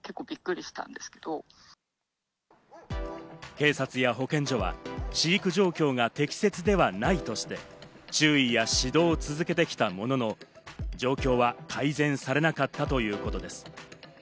警察や保健所は飼育状況が適切ではないとして、注意や指導を続けてきたものの、状況は改善されなかったということです。